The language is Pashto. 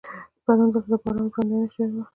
پرون دلته د باران وړاندوینه شوې وه.